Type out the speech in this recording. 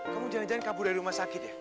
kamu jangan jangan kabur dari rumah sakit ya